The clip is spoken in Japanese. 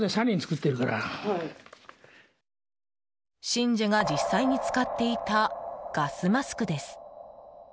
信者が実際に使っていたガスマスクです。